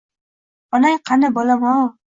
— Onang qani, bolam-ov?